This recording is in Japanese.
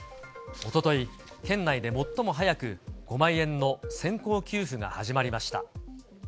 おととい、県内で最も早く５万円の先行給付が始まりました。